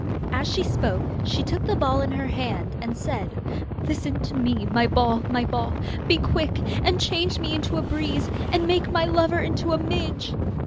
As she spoke she took the ball in her hand, and said: 'Listen to me, my ball, my ball. Be quick and change me into a breeze, And make my lover into a midge.